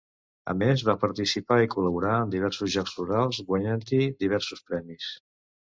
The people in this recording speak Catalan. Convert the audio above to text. A més, va participar i col·laborar a diversos Jocs Florals, guanyant-hi diversos premis.